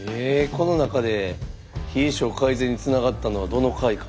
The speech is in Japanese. この中で冷え症改善につながったのはどの回か？